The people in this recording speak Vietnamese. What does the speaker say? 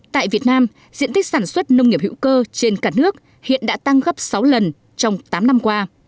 tại việt nam diện tích sản xuất nông nghiệp hữu cơ trên cả nước hiện đã tăng gấp sáu lần trong tám năm qua